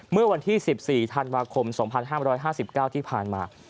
เมื่อวันที่๑๔ธันวาคม๒๕๕๙ที่ผ่านมา